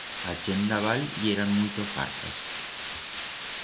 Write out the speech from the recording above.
A chent d'a val yeran muito fartas.